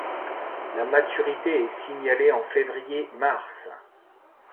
La maturité est signalée en février-mars.